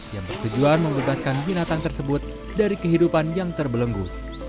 yang bertujuan membebaskan binatang tersebut dari kehidupan yang terbelenggu